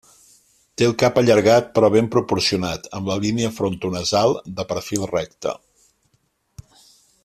Té el cap allargat però ben proporcionat, amb la línia frontonasal de perfil recte.